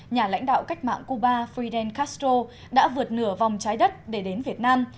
nhà lãnh đạo cách mạng cuba fidel castro đã vượt nửa vòng trái đất để đến việt nam